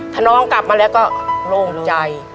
ถ้าน้องกลับมาแล้วก็โล่งใจ